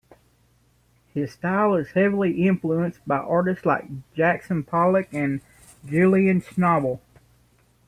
His style is heavily influenced by artists like Jackson Pollock and Julian Schnabel.